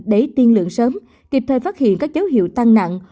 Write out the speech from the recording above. để tiên lượng sớm kịp thời phát hiện các dấu hiệu tăng nặng